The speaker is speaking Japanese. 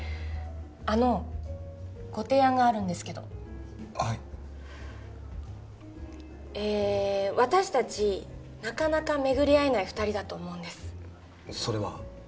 あのご提案があるんですけどはいえ私達なかなか巡りあえない二人だと思うんですそれは？